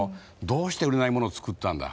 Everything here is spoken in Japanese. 「どうして売れないものを作ったんだ」